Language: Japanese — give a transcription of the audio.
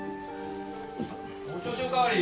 お銚子おかわり。